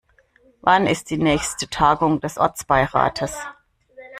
Wann ist die nächste Tagung des Ortsbeirates?